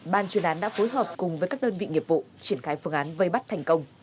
ban chuyên án đã phối hợp cùng với các đơn vị nghiệp vụ triển khai phương án vây bắt thành công